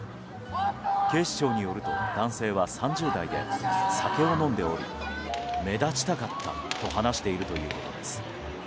警視庁によると男性は３０代で酒を飲んでおり目立ちたかったと話しているということです。